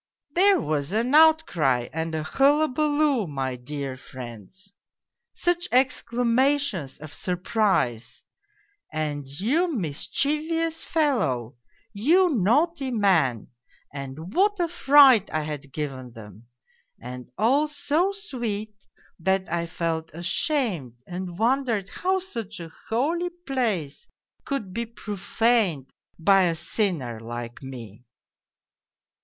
" There was an outcry and a hullabaloo, my dear friends ! Such exclamations of surprise ! And ' you mischievous fellow, you naughty man,' and what a fright I had given them and all so sweet that I felt ashamed and wondered how such a holy place could be profaned by a sinner like me.